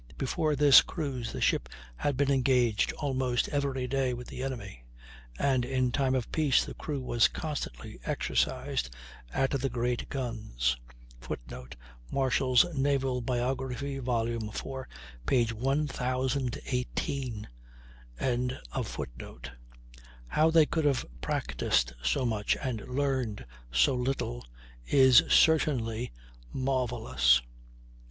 Before this cruise, the ship had been engaged almost every day with the enemy; and in time of peace the crew were constantly exercised at the great guns." [Footnote: Marshall's "Naval Biography," vol. iv, p. 1018.] How they could have practised so much and learned so little is certainly marvellous.